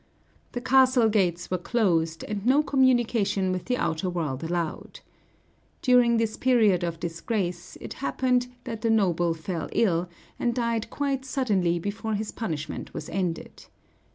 The castle gates were closed, and no communication with the outer world allowed. During this period of disgrace, it happened that the noble fell ill, and died quite suddenly before his punishment was ended.